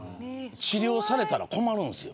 治療されたら困るんですよ。